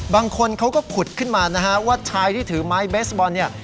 บางคนเขาก็ขุดขึ้นมานะฮะว่าชายที่ถือไม้เบสบอลเนี่ย